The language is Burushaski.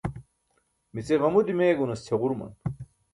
mici ġamu dimeegunas ćʰaġuruman